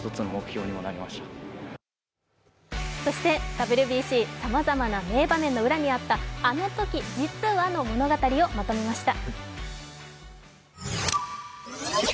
ＷＢＣ、さまざまな名場面の裏にあった「あのとき実は」の物語をまとめました。